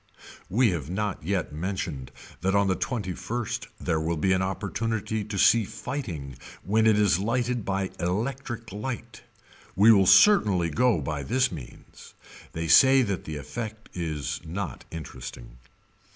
We have not yet mentioned that on the twenty first there will be an opportunity to see fighting when it is lighted by electric light. We will certainly go by this means. They say that the effect is not interesting.